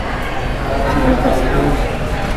تآر ۮاۮا ڇي۔